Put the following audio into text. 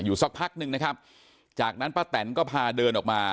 สักพักนึงนะครับจากนั้นป้าแตนก็พาเดินออกมา